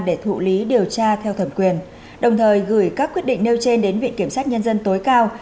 để thụ lý điều tra theo thẩm quyền đồng thời gửi các quyết định nêu trên đến viện kiểm sát nhân dân tối cao